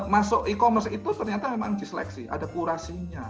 masuk e commerce itu ternyata memang diseleksi ada kurasinya